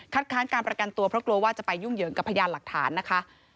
ค้านการประกันตัวเพราะกลัวว่าจะไปยุ่งเหยิงกับพยานหลักฐานนะคะ